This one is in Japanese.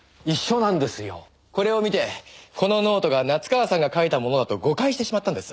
これを見てこのノートが夏河さんが書いたものだと誤解してしまったんです。